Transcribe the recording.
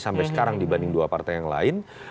sampai sekarang dibanding dua partai yang lain